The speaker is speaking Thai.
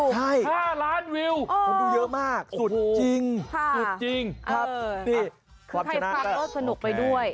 ใช่๕ล้านวิวโอ้โฮสุดจริงสุดจริงครับนี่ความชนะก็คือใครฟักก็สนุกไปด้วย